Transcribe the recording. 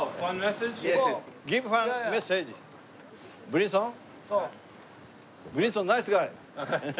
ブリンソンナイスガイ！